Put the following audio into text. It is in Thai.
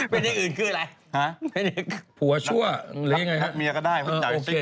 เป็นอย่างอื่นคืออะไรผัวชั่วเลยไงเ